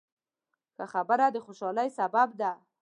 ښه خبره د خوشحالۍ سبب ده.